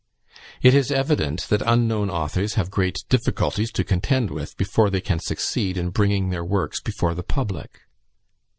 It is evident that unknown authors have great difficulties to contend with, before they can succeed in bringing their works before the public.